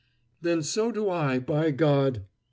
"Then so do I, by God!"